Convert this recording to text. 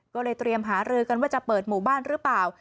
ก็เลยเตรียมหารือกันว่าจะเปิดหมู่บ้านหรือเปล่า